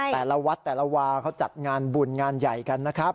แต่ละวัดแต่ละวาเขาจัดงานบุญงานใหญ่กันนะครับ